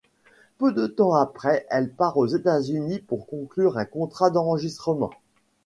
Peu de temps après elle part aux États-Unis pour conclure un contrat d’enregistrement.